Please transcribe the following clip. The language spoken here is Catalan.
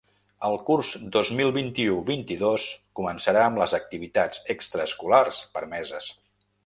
El curs dos mil vint-i-u-vint-i-dos començarà amb les activitats extraescolars permeses.